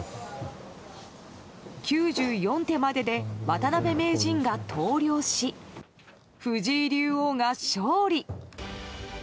９４手までで渡辺名人が投了し藤井竜王が勝利。